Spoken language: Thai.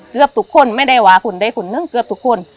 เกือบทุกคนไม่ได้หวาขุนได้ขุนหนึ่งเกือบทุกคน